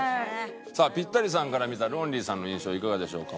さあピッタリさんから見たロンリーさんの印象いかがでしょうか？